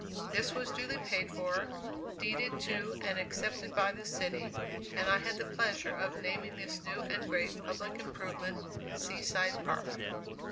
This was duly paid for, deeded to and accepted by the city, and I had the pleasure of naming this new and great public improvement, "Sea side Park."